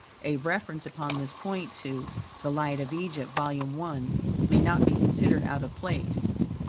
A reference upon this point to "The Light of Egypt" Vol., I, may not be considered out of place.